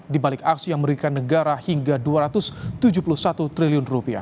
di balik aksi yang merugikan negara hingga rp dua ratus tujuh puluh satu triliun